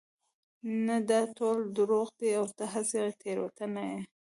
نه دا ټول دروغ دي او ته هسې تېروتي يې